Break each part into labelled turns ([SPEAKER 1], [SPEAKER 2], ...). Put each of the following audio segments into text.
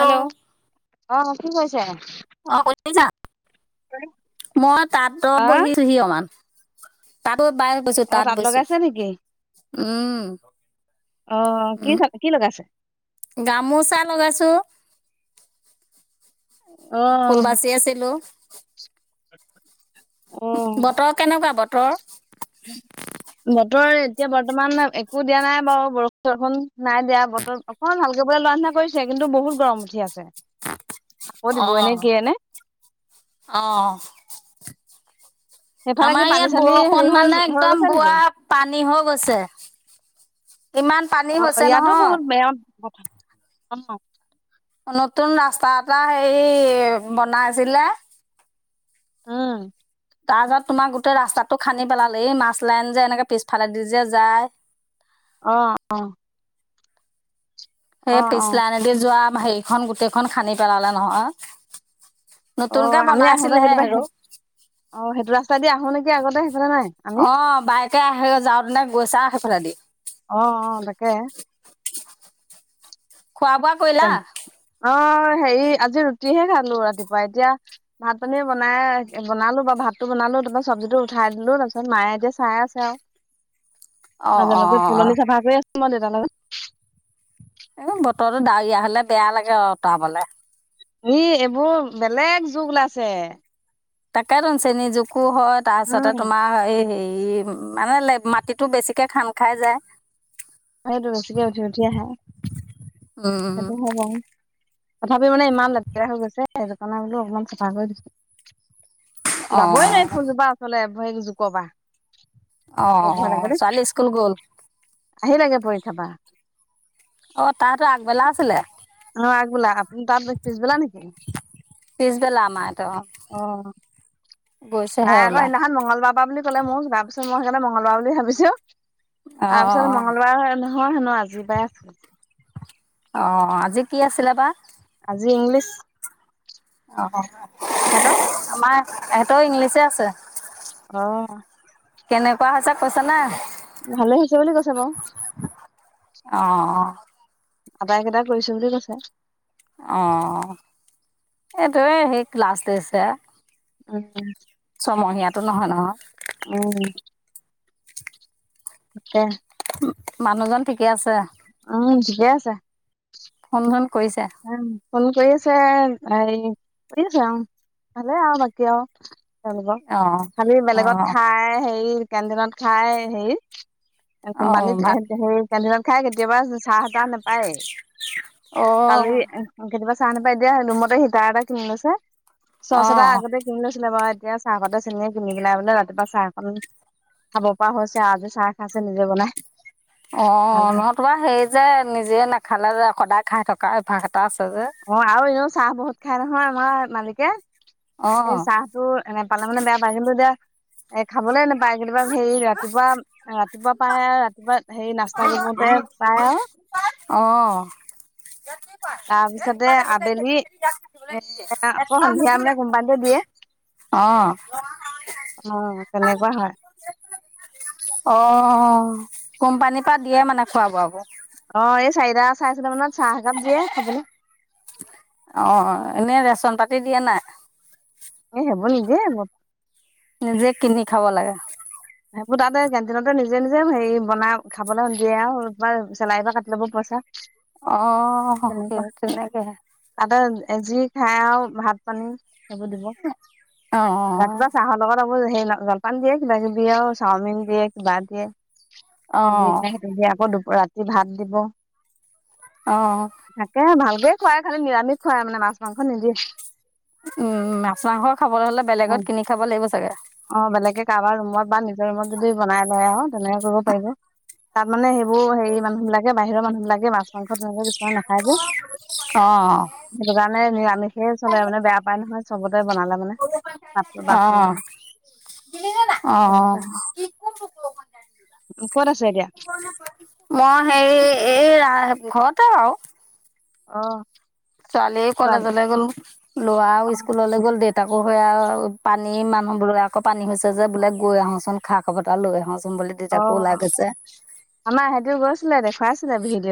[SPEAKER 1] Hello, অ'। কি কৰিছে?
[SPEAKER 2] অ', শুনিছা? মই তাঁতত
[SPEAKER 1] আহ
[SPEAKER 2] বহিছোহি অকমান। তাঁত বাই গৈছো
[SPEAKER 1] অ
[SPEAKER 2] তাঁত
[SPEAKER 1] তাত
[SPEAKER 2] বৈছো
[SPEAKER 1] লগাইছে নেকি,
[SPEAKER 2] উম
[SPEAKER 1] অহ কি
[SPEAKER 2] উম
[SPEAKER 1] চ কি লগাইছে?
[SPEAKER 2] গামোচা লগাইছো। ফুল
[SPEAKER 1] অ'
[SPEAKER 2] বাচি আছিলো। [unintelligible] বতৰ কেনেকুৱা বত তে
[SPEAKER 1] বতৰ এতিয়া বৰ্তমান একো দিয়া নাই বাৰু বৰষুণ-চৰষুণ, নাই দিয়া বতৰ অকণমান ভালকে বোলে লোৱা নিচনা কৰিছে কিন্তু বহুত গৰম উঠি আছে। আকৌ দিবই নে
[SPEAKER 2] অহ
[SPEAKER 1] কিয়ে নে
[SPEAKER 2] অহ
[SPEAKER 1] সেইফালে কি
[SPEAKER 2] আমাৰ
[SPEAKER 1] পানী
[SPEAKER 2] ইয়াত
[SPEAKER 1] চানী হেৰি
[SPEAKER 2] বৰষুণ
[SPEAKER 1] হৈ
[SPEAKER 2] মানে
[SPEAKER 1] হৈ
[SPEAKER 2] একদম
[SPEAKER 1] গৈছে নেকি?
[SPEAKER 2] বোৱা পানী হৈ গৈছে ইমান পানী
[SPEAKER 1] অ'
[SPEAKER 2] হৈছে
[SPEAKER 1] ইয়াতো
[SPEAKER 2] নহয়
[SPEAKER 1] বহুত [unintelligible]
[SPEAKER 2] নতুন ৰাস্তা এটা হেই বনাইছিলে
[SPEAKER 1] উম।
[SPEAKER 2] তাৰপাছত তোমাৰ গোটেই ৰাস্তাতটো খান্দি পেলালে এই মাছ লাইন যে এনেকে পিছফালে দি যে যায়
[SPEAKER 1] অ', অ'।
[SPEAKER 2] সেই
[SPEAKER 1] অ' অ'
[SPEAKER 2] পিছ্লা নদীৰ যোৱা ভাই এখন গোটেইখন খান্দি পেলালে নহয় নতুনকে
[SPEAKER 1] অ', আমি আহোঁতে
[SPEAKER 2] বনাইছিলেহে
[SPEAKER 1] কেতিয়াবা
[SPEAKER 2] হেৰো
[SPEAKER 1] অ', সেইটো ৰাস্তাই দি আহোঁ নেকি আগতে সেইফালে নাই আমি?
[SPEAKER 2] অ', বাইকে আহে যাওঁতেনে [unintelligible]
[SPEAKER 1] অ', অ', তাকে
[SPEAKER 2] খোৱা বোৱা কৰিলা
[SPEAKER 1] অ হেৰি আজি ৰুটিহে খালো ৰাতিপুৱা এতিয়া ভাত পানী বনাই বনালো বা ভাতটো বনালো তাৰপ চব্জিটো উঠাই দিলো তাৰপিছত মায়ে এতিয়া চাই আছে আৰু
[SPEAKER 2] অ'
[SPEAKER 1] মাজে
[SPEAKER 2] অ'
[SPEAKER 1] মাজে
[SPEAKER 2] অ'
[SPEAKER 1] ফুলনি চাফা কৰি আছো মান দেতা লগত
[SPEAKER 2] এক বতৰটো ডাৱৰীয়া হলে বেয়া লাগে অ উঁতৰাাবলে
[SPEAKER 1] ই এইবোৰ বেলেগ যুগ ওলাইছে
[SPEAKER 2] তাকে ত়ুন চেনী জুক একো হয় তাৰপিছতে
[SPEAKER 1] উম
[SPEAKER 2] তোমাৰ হ হেৰি ই মানে মাটিতো বেছিকে খান্দ খাই যায়
[SPEAKER 1] সেটো বেছিকে উঠি উঠি আহা
[SPEAKER 2] উম,
[SPEAKER 1] সেইটো হ'ও তথাপি মানে ইমান লেতেকেৰা হৈ গৈছে সেই দোকানে বোলো অকমান চাফা কৰি দিছো যাবই
[SPEAKER 2] অ'
[SPEAKER 1] নোৱাৰি ফুলজোপা ওচলে নোৱাৰি জুকৰ পৰা
[SPEAKER 2] অ
[SPEAKER 1] বৰ
[SPEAKER 2] অ
[SPEAKER 1] ভয়
[SPEAKER 2] ছোৱালী স্কুল গ'ল
[SPEAKER 1] লাগে পৰীক্ষা বা
[SPEAKER 2] অ তাহাতো আগবেলা আছিলে
[SPEAKER 1] অ আগবেলা আপোনাৰ তাৰ পিছবেলা নেকি
[SPEAKER 2] পিছবেলা আমাৰ
[SPEAKER 1] আহ
[SPEAKER 2] গৈছেহে
[SPEAKER 1] তাই আকৌ
[SPEAKER 2] ওলাই।
[SPEAKER 1] সদিনাখন মংগলবাৰ পা বুলি ক'লে মোক তাৰ পিছত মই সেই মংগলবাৰ বুলি ভাবিছো
[SPEAKER 2] অ'
[SPEAKER 1] তাৰপিছত
[SPEAKER 2] অ
[SPEAKER 1] মংগলবাৰ নহয় হেনো আজি পাই আছে
[SPEAKER 2] অ আজি কি আছিলে বা
[SPEAKER 1] আজি ইংলিছ।
[SPEAKER 2] অ
[SPEAKER 1] সিহঁতৰ
[SPEAKER 2] আমাৰ এহঁতেও ইংলিছে আছে।
[SPEAKER 1] আহ
[SPEAKER 2] কেনেকুৱা হৈছে কৈছ না
[SPEAKER 1] ভালে হৈছে বুলি কৈছে বাৰু
[SPEAKER 2] অ',
[SPEAKER 1] আটাইকেইটা কৰিছো বুলি কৈছে
[SPEAKER 2] অ এইটো সেই ক্লাছ ষ্টেট হে
[SPEAKER 1] উম
[SPEAKER 2] ছমহীয়াটো নহয় নহয়
[SPEAKER 1] আকয়া [inaudible]
[SPEAKER 2] মানুহজন ঠিকে আছে
[SPEAKER 1] উম
[SPEAKER 2] সন্ধান
[SPEAKER 1] উ, ফোন কৰি আছে এ শুই যায় ভালে আৰু বাকি আৰু।
[SPEAKER 2] অ',
[SPEAKER 1] খালি বেলেগত
[SPEAKER 2] অ',
[SPEAKER 1] খাই হেৰি কেণ্টিনত খাই হেৰি
[SPEAKER 2] অ',
[SPEAKER 1] কোমপানিত
[SPEAKER 2] ভাত
[SPEAKER 1] ইহঁতে হেৰী কেণ্টিনত খাই কেতিয়াবা চাহ তাহ নাপায়। কালি,
[SPEAKER 2] অ',
[SPEAKER 1] উ কেতিয়াবা চাহ নাপাই দিয়া ৰুমতে হিটাৰ এটা কিনি লৈছে চচ এটা
[SPEAKER 2] অ'।
[SPEAKER 1] আগতে কিনি লৈছিলে বা এতিয়া চাহপাতে চেনে কিনি পেলাই বোলে ৰাতিপুৱা চাহক খাব পৰা হৈছে, আজি চাহ খাইছে নিজে বনাই। ভাল
[SPEAKER 2] অ' লৰাটোৱে সেই যে নিজে নাখালে যে সদায় খাই থকা এ অভ্যা
[SPEAKER 1] অ', আৰু এ উ চাহ বহুত খাই নহয় আমাৰ মালিকে। এই
[SPEAKER 2] অ',
[SPEAKER 1] চাহটো এনে পালে মানে বেয়া পায় কিন্তু এতিয়া এ খাবলে নোপায় কিন্তু ৰাতিপুৱা হেৰি, ৰাতিপুৱা-ৰাতিপুৱা পায় আৰু ৰাতিপুৱা হেৰি নাস্তা কৰিবতে পায় আৰু
[SPEAKER 2] অ
[SPEAKER 1] তা তাৰপিছতে আবেলি, এ, আকৌ সন্ধিয়া মানে কোম্পানতে দিয়ে,
[SPEAKER 2] অ',
[SPEAKER 1] অ। তেনেকুৱা হয়।
[SPEAKER 2] অ', কোম্পানীৰ পৰা দিয়ে মানে খোৱা বোৱা বুৰ?
[SPEAKER 1] অ, এই চাৰিটা-চাৰে চাৰিটা মানত চাহ একাপ দিয়ে খাবলৈ
[SPEAKER 2] অ, এনে ৰেচন পাতি দিয়া নাই?
[SPEAKER 1] [unintelligible]
[SPEAKER 2] নিজে কিনি খাব লাগে।
[SPEAKER 1] সেইবোৰ তাতে কেণ্টিনতে নিজে-নিজে হেৰি বনাই খাবলৈ দিয়ে আৰু চেলাইৰ পৰা কাটি ল'ব পইচা।
[SPEAKER 2] অ', সেই তেনেকে হে।
[SPEAKER 1] এজি খাই আৰু ভাত পানী সেইবোৰ দিব
[SPEAKER 2] অ',
[SPEAKER 1] ৰাতিপুৱা চাহৰ লগত সেই জলপান দিয়ে কিবা-কিবি। দিয়ে ঔ, চাওমিন দিয়ে কিবা দিয়ে।
[SPEAKER 2] অ',
[SPEAKER 1] আকৌ দু ৰাতি ভাত দিব।
[SPEAKER 2] অ',
[SPEAKER 1] থাকে ভাল। খুৱাই খালি নিৰামিষ খোৱাই মানে মাছ মাংস নিদিয়ে
[SPEAKER 2] উম মাছ মাংস খাবলৈ হলে
[SPEAKER 1] অ
[SPEAKER 2] বেলেগত কিনি খাব লাগিব চাগে
[SPEAKER 1] অ বেলেগে কাৰোবাৰ ৰুমত বা নিজৰ ৰুমত যদি বনাই লয় আৰু তেনেকে কৰিব পাৰিব। তাত মানে সেইবোৰ হেৰি মানুহ বিলাকে বাহিৰৰ মানুহ বিলাকে মাছ মাংস তেনেকুৱা কিছুমান নাখায় যে
[SPEAKER 2] অ',
[SPEAKER 1] সেইটো কাৰণে নিৰামিষেই চলে মানে বেয়া পায় নহয় হব বনালে মানে মাত বাচন
[SPEAKER 2] অ',
[SPEAKER 1] বিলাক
[SPEAKER 2] অ
[SPEAKER 1] তেনেকুৱা ক'ত আছে এতিয়া
[SPEAKER 2] মই হেৰি এই ৰা ঘৰতে আও।
[SPEAKER 1] অহ।
[SPEAKER 2] ছোৱালীয়ে কলেজলৈ গ'ল লৰাও স্কুললৈ গ'ল দেত তাকো সেয়াও পানী মানুহ বোলে আকৌ পানী হৈছে যে বোলে গৈ আহোচোন খা খবৰ এটা লৈ আহো
[SPEAKER 1] অ আমাৰ সিহতে গৈছিলে দেখ খোৱাইছিলে ভিড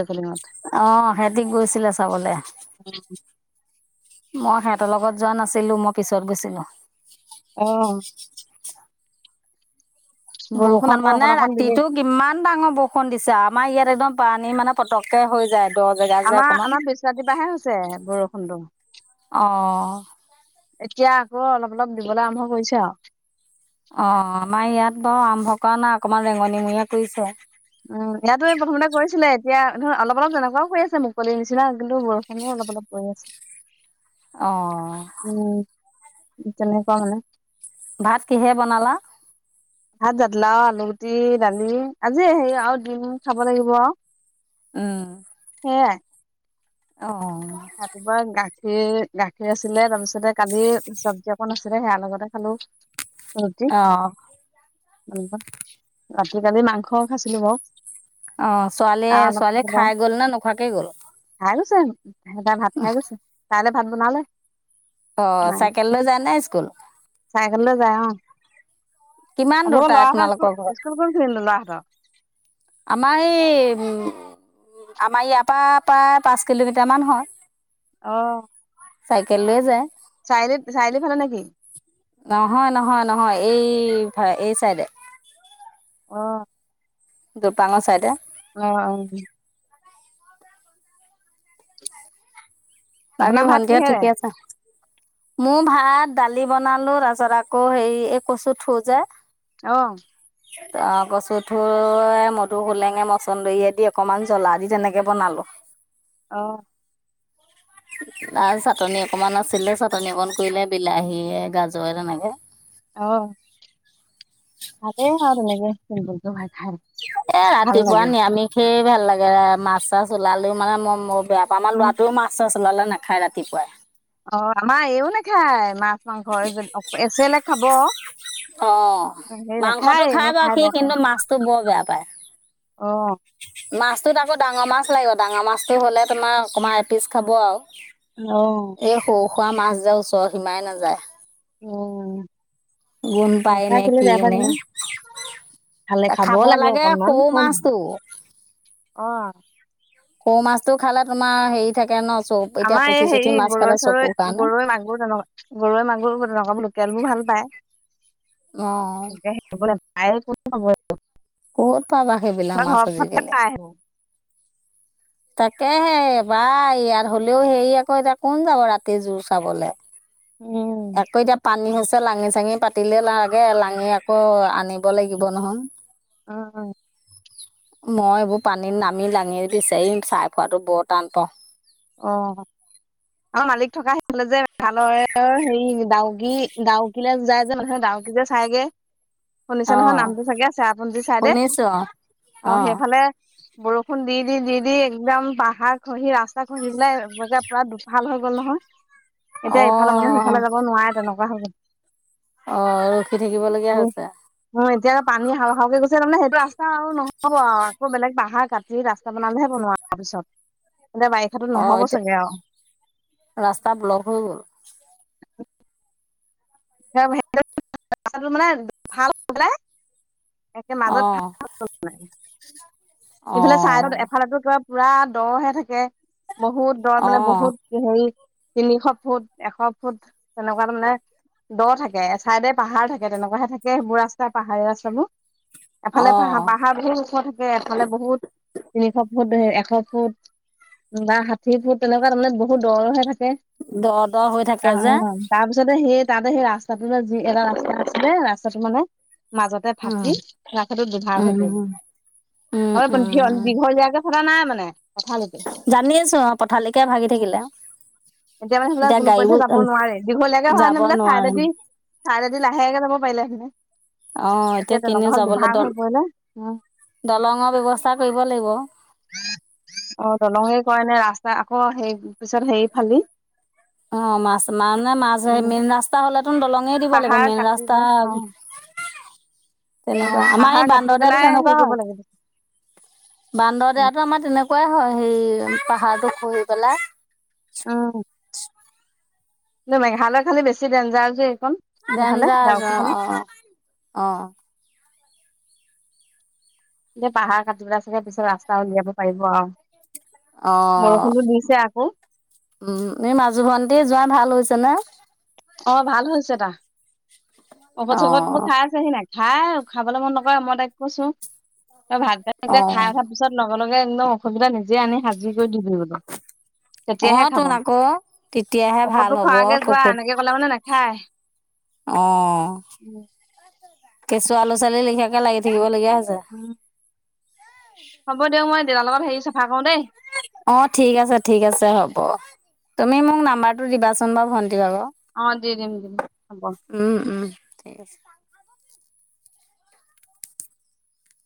[SPEAKER 2] অহ সেতি গৈছিলে চাবলে। মই সিহঁতৰ লগত যোৱা নাছিলো মই পিছত গৈছিলো।
[SPEAKER 1] অহ।
[SPEAKER 2] [inaudible] বৰষুণ
[SPEAKER 1] আকৌ
[SPEAKER 2] মানে
[SPEAKER 1] অকন অকন দিলেই
[SPEAKER 2] ৰাতিটো কিমান ডাঙৰ বৰষুণ দিছে আমাৰ ইয়াত একদম পানী মানে পতককে হৈ যায়। দ জেগা যে
[SPEAKER 1] আমাৰ
[SPEAKER 2] অকমান
[SPEAKER 1] আমাৰ পিছ ৰাতি পাহে হৈছে বৰষুণটো,
[SPEAKER 2] অঁ
[SPEAKER 1] এতিয়া গ অলপ অলপ দিবলৈ আৰম্ভ কৰিছে আও।
[SPEAKER 2] অ আমাৰ ইয়াত বাৰু আৰম্ভ কৰা নাই অকমান ৰেঙনিমঙৰিয়া কৰিছে।
[SPEAKER 1] উম, ইয়াতো প্ৰথমতে কৰিছিলে এতিয়া ধৰ অলপ অলপ তেনেকুৱাও হৈ আছে মুকলিৰ নিচিনা। কিন্তু বৰষুণো অলপ অলপ পৰি আছে।
[SPEAKER 2] অ'।
[SPEAKER 1] উম তেনেকুৱা মানে।
[SPEAKER 2] ভাত কিহে বনালা?
[SPEAKER 1] ভাত জাতিলাও, আলুগুটি দালি আজি সেই আৰু দিম খাব লাগিব আৰু।
[SPEAKER 2] অ'।
[SPEAKER 1] সেইয়াই।
[SPEAKER 2] অ'।
[SPEAKER 1] ৰাতিপুৱা গা গাখীৰ, গাখীৰ আছিলে তাৰপিছতে কালিৰ চব্জি অকণ আছিলে সেইয়াৰ লগতে খালোঁ।
[SPEAKER 2] অহ।
[SPEAKER 1] ৰাতি কালি মাংস খাইছিলোঁ বাৰু।
[SPEAKER 2] অ', ছোৱালীয়ে
[SPEAKER 1] আৰু অলপ
[SPEAKER 2] ছোৱালীয়ে
[SPEAKER 1] খাইছিলে
[SPEAKER 2] খাই গ'ল ন' নোখোৱাকে গ'ল?
[SPEAKER 1] সেটা ভাত খায় গৈছে। চাইলে ভাত বনালে।
[SPEAKER 2] অ
[SPEAKER 1] মায়ে
[SPEAKER 2] চাইকেল লৈ যায় নে স্কুল।
[SPEAKER 1] চাইকেললৈ যায় অহ।
[SPEAKER 2] কিমান দূৰ
[SPEAKER 1] আপোনোকৰ ল'ৰা
[SPEAKER 2] তাই
[SPEAKER 1] এটা স্কুল
[SPEAKER 2] তোমালোকৰ ঘৰত
[SPEAKER 1] স্কুল গৈছিলে নে ল'ৰাহঁতৰ।
[SPEAKER 2] আমাৰ এই আমাৰ ইয়াৰ পৰা প্ৰায় পাঁচ কিলোমিটাৰ মান হয়।
[SPEAKER 1] অহ।
[SPEAKER 2] চাইকেল লৈয়ে যায়।
[SPEAKER 1] ফালে নেকি
[SPEAKER 2] নহয়, নহয়, নহয় এই হয়, এই চাইডে।
[SPEAKER 1] অ'।
[SPEAKER 2] দুপাংৰ চাইডে
[SPEAKER 1] অ', অ', উ।
[SPEAKER 2] তাকে
[SPEAKER 1] আপোনাৰ ভাত
[SPEAKER 2] ভন্তিহঁত
[SPEAKER 1] কিহেৰে
[SPEAKER 2] ঠিকে আছে। মোৰ ভাত, দালি বনালো তাৰপাছত আকৌ হেৰি এই কচু থো যে
[SPEAKER 1] অ'।
[SPEAKER 2] তাৰ কচু থুৰ, মদু হোলেঙে, মচন্দৰীয়ে দি অকমান জ্বলা দি তেনেকে বনালো।
[SPEAKER 1] অ'।
[SPEAKER 2] [unintelligible] চাটনি অকমান আছিলে, চাটনি অকণ কৰিলে বিলাহী গাজৰে তেনেকে।
[SPEAKER 1] অ'। ভালে হল এনেকে, চিম্পল। [unintelligible]
[SPEAKER 2] এ, ৰাতিপুৱা নিৰামিষে ভাল লাগে। মাছ চাছ ওলালেওঁ মানে মই [unintelligible] আমাৰ
[SPEAKER 1] উম
[SPEAKER 2] লৰাটোওঁ মাছ-চাছ ওলালে নাখায় ৰাতিপুৱাই।
[SPEAKER 1] অ', আমাৰ এইওঁ নাখায়, মা [unintelligible] এছেলে খাব।
[SPEAKER 2] অ',
[SPEAKER 1] হেৰি
[SPEAKER 2] মাংসটো
[SPEAKER 1] নাখায়
[SPEAKER 2] খাই
[SPEAKER 1] এনে
[SPEAKER 2] বাৰু সি,
[SPEAKER 1] বেয়া পায়
[SPEAKER 2] কিন্তু মাছটো বৰ বেয়া পায়।
[SPEAKER 1] অ
[SPEAKER 2] মাছটোত আকৌ ডাঙৰ মাছ লাগিব, ডাঙৰ মাছটো হ'লে তোমাৰ অকণমান এপিচ খাব আৰু।
[SPEAKER 1] অ'
[SPEAKER 2] খোৱা মাছ যে ওচৰ সীমাই নাযায়।
[SPEAKER 1] উম
[SPEAKER 2] গোন্ধ পায়
[SPEAKER 1] নাখাই
[SPEAKER 2] নে
[SPEAKER 1] কেলে
[SPEAKER 2] কি
[SPEAKER 1] বেয়া
[SPEAKER 2] এই
[SPEAKER 1] পাই
[SPEAKER 2] নে,
[SPEAKER 1] জানো খালে
[SPEAKER 2] খাব লাগে
[SPEAKER 1] অকনমান
[SPEAKER 2] সৰু
[SPEAKER 1] হয় নহয়
[SPEAKER 2] মাছটো
[SPEAKER 1] অ
[SPEAKER 2] সৰু মাছটো খালে তোমাৰ হেৰি থাকে ন চৌ এতিয়া
[SPEAKER 1] আমাৰ
[SPEAKER 2] পুঠি
[SPEAKER 1] এই
[SPEAKER 2] চুঠি
[SPEAKER 1] হেৰি,
[SPEAKER 2] মাছ
[SPEAKER 1] গৰৈ
[SPEAKER 2] খালে
[SPEAKER 1] চৰৈ,
[SPEAKER 2] চকুৰ কাৰণে।
[SPEAKER 1] গৰৈ, মাগুৰ তেনেকুৱা, গৰৈ, মাগুৰ তেনেকুৱা লোকেল বোৰ ভাল পায়।
[SPEAKER 2] অ',
[SPEAKER 1] এতিয়া [unintelligible] [inaudible]
[SPEAKER 2] ক'ত পাবা সেইবিলাক মাছ
[SPEAKER 1] মানুহে
[SPEAKER 2] আজিকালি।
[SPEAKER 1] খাই সেইবোৰ।
[SPEAKER 2] তাকেহে পায় ইয়াত, হলেও হেৰি আকৌ এতিয়া কোন যাব ৰাতি জোৰ চাবলে।
[SPEAKER 1] উম
[SPEAKER 2] আকৌ এতিয়া পানী হৈছে লাঙি চাঙি পাতিলে লাগে, লাঙি আকৌ আনিব লাগিব নহয়
[SPEAKER 1] উম, উম।
[SPEAKER 2] মই এইবোৰ পানীত নামি লাঙি বিচাৰিম চাই খোৱাতো বৰ টান পাওঁ।
[SPEAKER 1] অ আৰু মালিক থকা সিফাললে যে ভালৰৰ হেৰি ডাউকি ডাউকৈ যায় যে মানুহে ডাউকি যে চাইগে। শুনিছে নহয়
[SPEAKER 2] অঁ
[SPEAKER 1] নামটো চাগে আছে চেৰাপুঞ্জী চাইদে
[SPEAKER 2] শুনিছোঁ
[SPEAKER 1] অ
[SPEAKER 2] অঁ
[SPEAKER 1] সেইফালে বৰষুণ দি দি দি দি একদম পাহাৰ খহি ৰাস্তা খহি পেলাই বজাৰ পুৰা দুফাল হৈ গ'ল নহয়। এতিয়া ইফালে মানুহ
[SPEAKER 2] অঁ
[SPEAKER 1] সিফালে যাব নোৱাৰে তেনেক কুৱা হৈ থাকিলে।
[SPEAKER 2] অঁ অঁ ৰখি থাকিবলগীয়া
[SPEAKER 1] উম
[SPEAKER 2] হৈছে
[SPEAKER 1] উম এতিয়া পানী যে পনি হাও হাওকে গৈছে তাৰমানে সেইটো ৰাস্তা ৰা আৰু নহ'ব আৰু আকৌ বেলেগ পাহাৰ কাাটি ৰাস্তা বনালেহে বনোৱাাৰ পিছত। এতিয়া বাৰিষাতো
[SPEAKER 2] অ
[SPEAKER 1] নহ'ব চাগে আৰু
[SPEAKER 2] এতিয়া ৰাস্তা ব্লক হৈ গ'ল।
[SPEAKER 1] মানে ভাল হৈ পেলাই একে মাজত
[SPEAKER 2] অঁ
[SPEAKER 1] ভাগ ভাগ সেইফালে
[SPEAKER 2] অঁ
[SPEAKER 1] চাইদত এফালে টো কিবা পুৰা দহে থাকে। বহুত দৰ মানে
[SPEAKER 2] অঁ
[SPEAKER 1] বহুত হেৰি তিনিশ ফুট এশ ফুট তেনেকুৱা মানে দ থাকে ছাইডে পাহাৰ থাকে তেনেকুৱাহে থাকে সেইবোৰ ৰাস্তা পাহাৰীয়া ৰাস্তাবোৰ। এফালে প
[SPEAKER 2] অঁ
[SPEAKER 1] পাহাৰ বহুত ওখ থাকে এফালে বহুত নিশ বহুত এশ ফুট বা ষাঠি ফুট তেনেকুৱা তাৰানে বহুত দৰহে থাক কৈ
[SPEAKER 2] দ দ হৈ থাকে যে
[SPEAKER 1] তাৰপিছতে সেই ততে সেই ৰাস্তাটো যি এটা ৰাস্তা আছিলে ৰাস্তাটো মানে মাজতে ফাটি ৰাস্তা টো দুভাগ হৈ পৰিল, দীঘলীয়াকে সদা নাই মানে। পথালিতে
[SPEAKER 2] জানি আছো অ পথালিকে ভাগি থাকিলে
[SPEAKER 1] মানে সেইবিলাক
[SPEAKER 2] এতিয়া গাড়ীবোৰ যাব ন।
[SPEAKER 1] কাইলে দি কাইলেদি লাহেকে যাব পাৰিলে হেতি। অ [unintelligible]
[SPEAKER 2] অ', এতিয়া কেনিও যাবলৈ দল,
[SPEAKER 1] পৰিলে উম
[SPEAKER 2] দলঙৰ ব্যৱস্থা কৰিব লাগিব।
[SPEAKER 1] ক, সেইবি
[SPEAKER 2] অ', মাছ মা না মাছ
[SPEAKER 1] উম
[SPEAKER 2] মিনৰা তাহ'লেত নতুন দলঙে দিব লাগিব
[SPEAKER 1] পাহাৰ
[SPEAKER 2] মেইন
[SPEAKER 1] কাটি
[SPEAKER 2] ৰাস্তা।
[SPEAKER 1] পেলাই অ অ
[SPEAKER 2] তেনেকুৱা আমাৰ এই
[SPEAKER 1] পাহাৰ কাটি
[SPEAKER 2] বান্দৰদেয়াটো
[SPEAKER 1] পেলাই হেৰি
[SPEAKER 2] তেনেকুৱা
[SPEAKER 1] কৰিব লাগিব
[SPEAKER 2] হয়। বান্দৰদেয়াটো আমাৰ তেনেকুৱাই হয়। সেই পাহাৰটো খহি পেলাই
[SPEAKER 1] উম। ন' মেঘালয় খালি বেছি ডেঞ্জাৰ যে এইকণ সেইফালে
[SPEAKER 2] ডেঞ্জাৰ [inaudible]
[SPEAKER 1] ডাউকি ফালে
[SPEAKER 2] অ' অ' অ'।
[SPEAKER 1] এতিয়া পাহাৰ কাটিপেলাই চাগে পিছত ৰাস্তা উলিয়াব পাৰিব আৰু।
[SPEAKER 2] অ',
[SPEAKER 1] বৰষুণতো দিছে আকৌ
[SPEAKER 2] উম, এই মাজু ভন্টি জোৱাই ভাল হৈছে নে?
[SPEAKER 1] অ', ভাল হৈছে তাৰ। ঔষধ,
[SPEAKER 2] অ
[SPEAKER 1] চৌষধ বোৰ খাই আছেহি নাই? খাই, খাবলৈ মন নকৰে মই তাইক কৈছোঁ তই ভাত
[SPEAKER 2] অ
[SPEAKER 1] [unintelligible] খাই উঠাৰ পিছত ল [unintelligible] একদম অসুবিধা নিজে আনি সাজি কৰি দিবি বোলো তেতিয়াহে
[SPEAKER 2] অ',
[SPEAKER 1] খাব
[SPEAKER 2] তোন আকৌ, তেতিয়াহে ভাল
[SPEAKER 1] ঔষধটো
[SPEAKER 2] হ'ব
[SPEAKER 1] খোৱাগে যোৱা
[SPEAKER 2] ঔষধ
[SPEAKER 1] এনেকে ক'লে মানে নাখায়।
[SPEAKER 2] অ'
[SPEAKER 1] উম
[SPEAKER 2] কেঁচুৱা ল'চালী লিখিয়াকে লাগি থাকিব লগীয়া হৈছে।
[SPEAKER 1] উম হ'ব দিয়ক মই [unintelligible] লগত হেৰি চাফা কৰোঁ দেই।
[SPEAKER 2] অ', ঠিক আছে, ঠিক আছে হ'ব। তুমি মোক নাম্বাৰটো দিবাচোন বাৰু ভণ দিবা বাৰু।
[SPEAKER 1] অ দি দিম দিম হ'ব
[SPEAKER 2] উম, উম। ঠিক আছে।